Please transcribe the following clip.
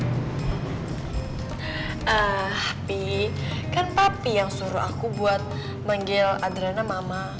eee pi kan papi yang suruh aku buat manggil adriana mama